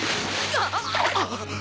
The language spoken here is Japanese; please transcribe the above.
あっ。